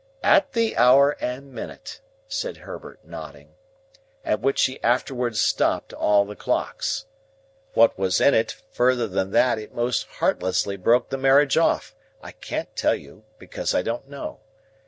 "At the hour and minute," said Herbert, nodding, "at which she afterwards stopped all the clocks. What was in it, further than that it most heartlessly broke the marriage off, I can't tell you, because I don't know.